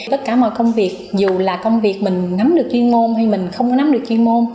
tất cả mọi công việc dù là công việc mình nắm được chuyên môn hay mình không có nắm được chuyên môn